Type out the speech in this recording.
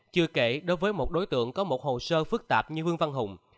chưa kể đối với một đối tượng có một hồ sơ phức tạp như vương văn hùng